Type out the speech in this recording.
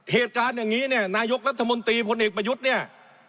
เหตุการณ์อย่างนี้เนี่ยนายกรัฐมนตรีพลเอกประยุทธ์เนี่ย